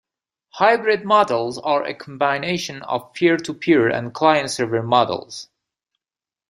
Hybrid models are a combination of peer-to-peer and client-server models.